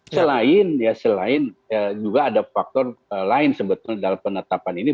selain ya selain juga ada faktor lain sebetulnya dalam penetapan ini